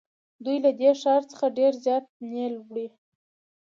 دوی له دې ښار څخه ډېر زیات نیل وړي.